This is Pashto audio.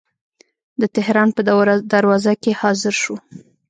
د تهران په دروازه کې حاضر شو.